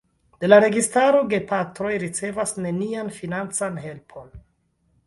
De la registaro gepatroj ricevas nenian financan helpon.